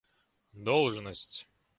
должность